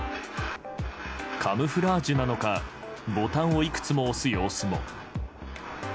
カムフラージュなのかボタンをいくつも押す様子も。